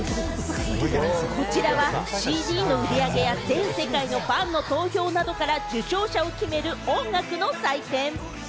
こちらは、ＣＤの売り上げや全世界のファンの投票などから受賞者を決める音楽の祭典。